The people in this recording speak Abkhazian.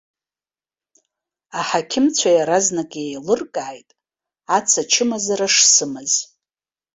Аҳақьымцәа иаразнак еилыркааит аца чымазара шсымаз.